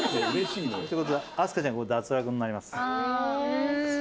飛鳥ちゃん脱落になります。